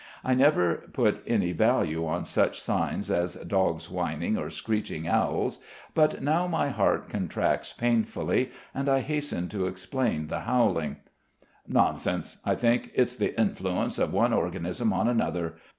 I never put any value on such signs as dogs' whining or screeching owls; but now my heart contracts painfully, and I hasten to explain the howling. "Nonsense," I think. "It's the influence of one organism on another.